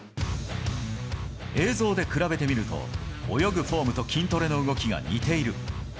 映像で比べてみると、泳ぐフォームと筋トレの動きが似ている。